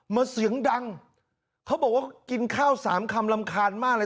เสียงดังเขาบอกว่ากินข้าวสามคำรำคาญมากเลย